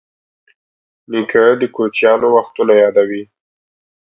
نیکه د کوچیانو وختونه یادوي.